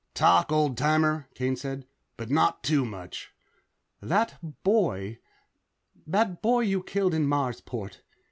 "Talk, old timer," Kane said. "But not too much." "That boy that boy you killed in Marsport.